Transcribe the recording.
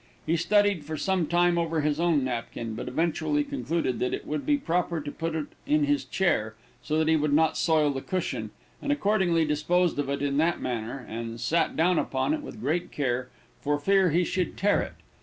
He studied for some time over his own napkin, but eventually concluded that it would be proper to put it in his chair, so that he would not soil the cushion, and accordingly disposed of it in that manner, and sat down upon it with great care, for fear he should tear it.